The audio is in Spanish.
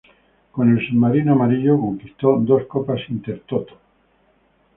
Con el submarino amarillo conquistó dos Copas Intertoto.